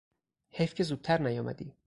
حیف که زودتر نیامدی!